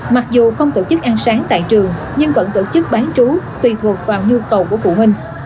mặc dù không tổ chức ăn sáng tại trường nhưng vẫn tổ chức bán trú tùy thuộc vào nhu cầu của phụ huynh